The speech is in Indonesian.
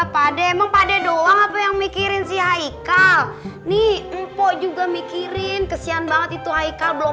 pada pada doang apa yang mikirin si haikal nih mpok juga mikirin kesian banget itu haikal belum